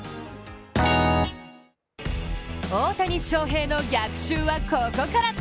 大谷翔平の逆襲はここから。